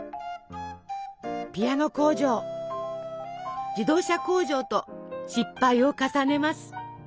ピアノ工場自動車工場と失敗を重ねます。